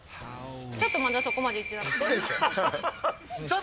ちょっとまだそこまでいってうそでしょ。